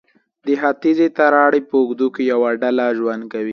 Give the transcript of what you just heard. د ختیځې تراړې په اوږدو کې یوه ډله ژوند کوي.